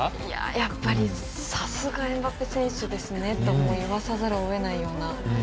やっぱり、さすがエムバペ選手ですねと言わざるを得ないような。